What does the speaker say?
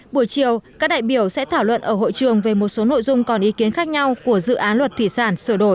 buổi chiều các đại biểu sẽ thảo luận ở hội trường về một số nội dung còn ý kiến khác nhau của dự án luật thủy sản sửa đổi